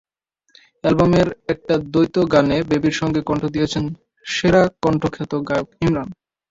অ্যালবামের একটি দ্বৈত গানে বেবীর সঙ্গে কণ্ঠ দিয়েছেন সেরাকণ্ঠখ্যাত গায়ক ইমরান।